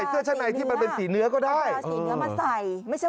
คือเดิมทีไม่ได้ใส่เลยถูกไหม